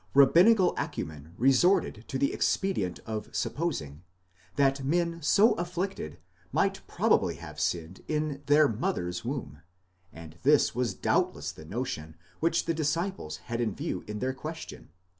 rabbinical acumen resorted to the expedient of supposing, that men so afflicted might probably have sinned in their mother's womb, and this was doubtless the notion which the disciples had in view in their question v.